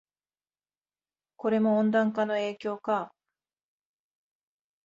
これも温暖化の影響か